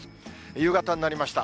夕方になりました。